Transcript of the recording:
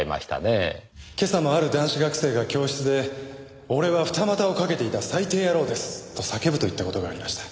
今朝もある男子学生が教室で「俺は二股をかけていた最低野郎です」と叫ぶといった事がありました。